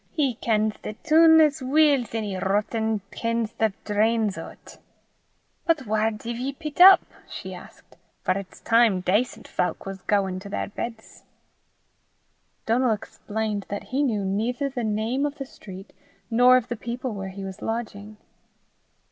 "He kens the toon as weel 's ony rottan kens the drains o' 't. But whaur div ye pit up?" she added, "for it's time dacent fowk was gauin' to their beds." Donal explained that he knew neither the name of the street nor of the people where he was lodging.